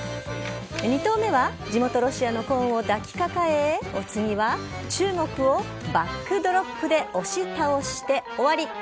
２頭目は地元・ロシアのコーンを抱きかかえお次は中国をバックドロップで推し倒して終わり。